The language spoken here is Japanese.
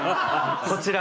こちら。